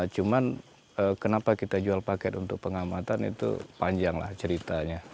cuman kenapa kita jual paket untuk pengamatan itu panjanglah ceritanya